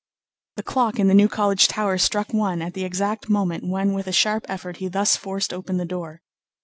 The clock in the New College Tower struck one at the exact moment when with a sharp effort he thus forced open the door.